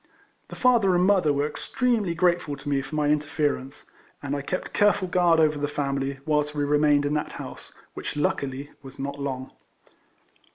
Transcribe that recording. The father and mother were extremely grateful to me for my interference, and I kept careful guard over the family whilst we remained in that house, which luckily was not long.